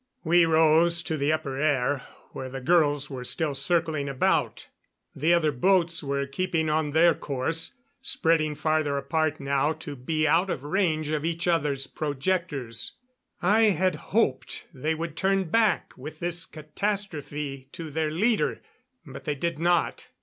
We rose to the upper air, where the girls were still circling about. The other boats were keeping on their course, spreading farther apart now to be out of range of each other's projectors. I had hoped they would turn back with this catastrophe to their leader, but they did not.